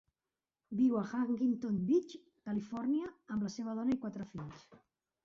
Viu a Huntington Beach, Califòrnia, amb la seva dona i quatre fills.